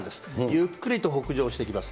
ゆっくりと北上していきます。